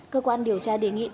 cơ quan điều tra đề nghị